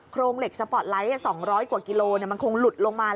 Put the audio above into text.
โรงเหล็กสปอร์ตไลท์๒๐๐กว่ากิโลมันคงหลุดลงมา